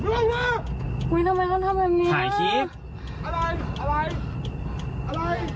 อุ๋ยทำไมต้องทำแบบนี้ถ่ายคลิป